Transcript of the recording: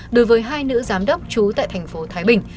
đối với hai nữ giám đốc trú tại tp thái bình